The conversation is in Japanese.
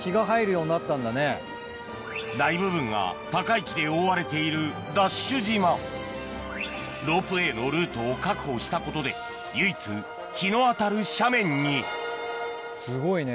大部分が高い木で覆われているＤＡＳＨ島ロープウエーのルートを確保したことで唯一日の当たる斜面にすごいね。